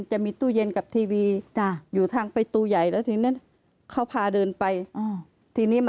จะมีตู้เย็นกับทีวีอยู่ทางประตูใหญ่แล้วทีนี้เขาพาเดินไปทีนี้มา